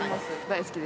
大好き？